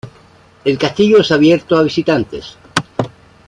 El castillo es abierto a visitantes.